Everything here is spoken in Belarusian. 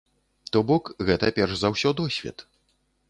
То бок, гэта перш за ўсё досвед.